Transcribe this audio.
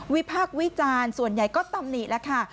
พากษ์วิจารณ์ส่วนใหญ่ก็ตำหนิแล้วค่ะ